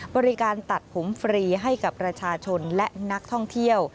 บริการตัดผมฟรีให้กับประชาชนและนักท่องเที่ยว